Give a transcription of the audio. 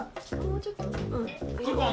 もうちょっと。